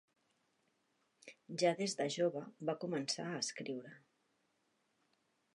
Ja des de jove va començar a escriure.